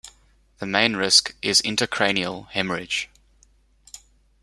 The main risk is intracranial hemorrhage.